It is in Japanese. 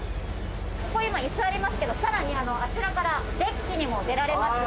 ここ今椅子ありますけどさらにあちらからデッキにも出られます。